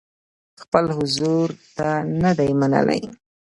خپل حضور ته نه دي منلي.